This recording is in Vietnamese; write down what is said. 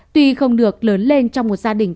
tuy không được lớn lên trong một gia đình